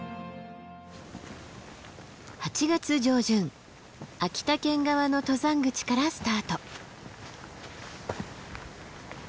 ８月上旬秋田県側の登山口からスタート。